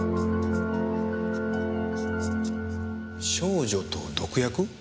『少女と毒薬』？